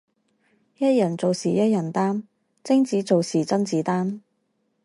一人做事一人擔，貞子做事甄子丹